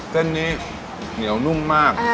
เส้นนี้เหนียวนุ่มมาก